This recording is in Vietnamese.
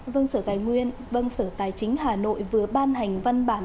vân sở tài nguyên vân sở tài chính hà nội vừa ban hành văn bản